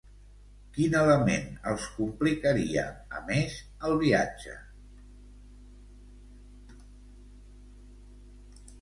Quin element els complicaria, a més, el viatge?